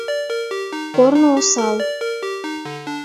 Корно осал.